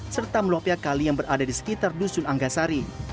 serta melopiakali yang berada di sekitar dusun anggasari